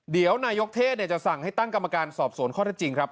เดี๋ยวนายกเทศจะสั่งให้ตั้งกรรมการสอบสวนข้อเท็จจริงครับ